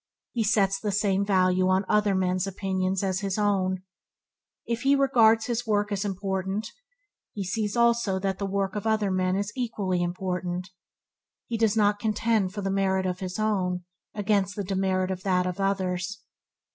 He sets the same value on other men's opinions as on his own. If he regards his on work as important, he sees also that the work of other men is equally important. He does not content for the merit of his own against the demerit of that of others.